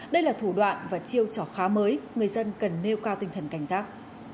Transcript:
đây là thủ đoạn và chiêu trò khá mới người dân cần nêu cao tinh thần cảnh giác